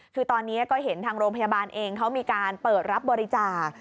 คือตอนนี้ก็เห็นทางโรงพยาบาลเองเขามีการเปิดรับบริจาค